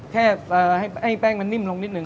แค่ให้แป้งมันนิ่มลงนิดนึ